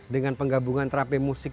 dengan penggabungan terapi musik